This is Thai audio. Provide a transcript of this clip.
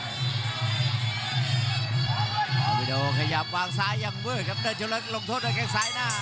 ตอบิโดหยับวางซ้ายอย่างเวิร์ดครับโดยชนเล็กลงโทษโดยแข่งซ้ายหน้า